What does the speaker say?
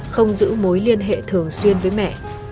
không giữ mối liên hệ thường xuyên với mẹ